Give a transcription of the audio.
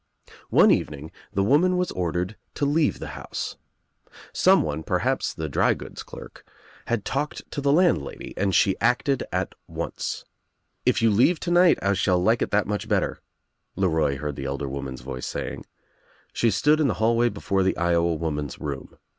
One evening the woman was ordered to leave the house. Someone, perhaps the drygoods clerk, had ^talked to the landlady and she acted at once. "If you leave tonight I shall like it that much better," LeRoy heard the elder woman's voice saying. She stood In the hallway before the Iowa woman's room.